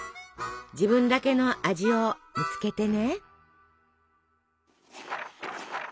自分だけの味を見つけてね。